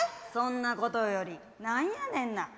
そんなことより何やねんな